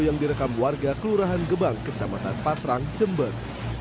yang direkam warga kelurahan gebang kecamatan patrang jember